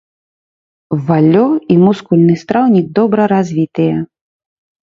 Валлё і мускульны страўнік добра развітыя.